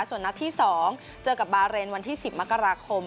ส่วนนัดที่๒เจอกับบาเรนวันที่๑๐มกราคม